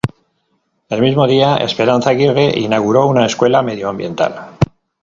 El mismo día Esperanza Aguirre inauguró una Escuela Medioambiental.